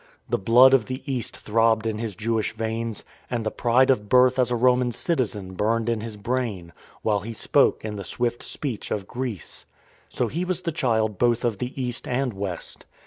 The blood of the East throbbed in his Jewish veins, and the pride of birth as a Roman citi zen burned in his brain, while he spoke in the swift speech of Greece. So he was the child both of the East and West.